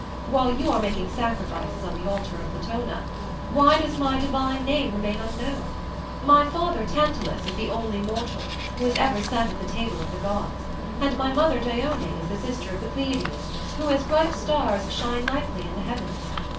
While you are making sacrifices on the altar of Latona, why does my divine name remain unknown? My father Tantalus is the only mortal who has ever sat at the table of the gods; and my mother Dione is the sister of the Pleiades, who as bright stars shine nightly in the heavens.